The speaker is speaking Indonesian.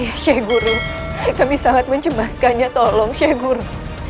ya syeikh guru kami sangat mencemaskannya tolong syeikh guru